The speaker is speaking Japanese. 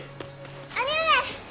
兄上！